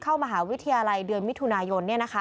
เข้ามหาวิทยาลัยเดือนมิถุนายน